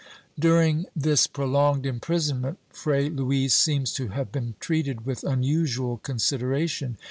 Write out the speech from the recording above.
^ During this prolonged imprisonment. Fray Luis seems to have been treated with unusual consideration.